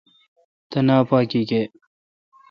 تینا پا گییں۔